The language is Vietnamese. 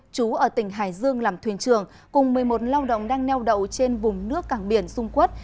chú ở tỉnh hải dương làm thuyền trường cùng một mươi một lao động đang neo đậu trên vùng nước cảng biển dung quốc